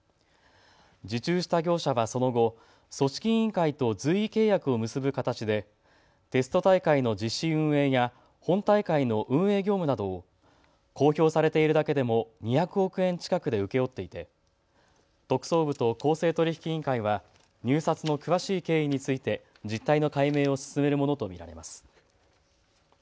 受注した業者はその後、組織委員会と随意契約を結ぶ形でテスト大会の実施運営や本大会の運営業務などを公表されているだけでも２００億円近くで請け負っていて特捜部と公正取引委員会は入札の詳しい経緯について実態の解明を進めるものと見られます。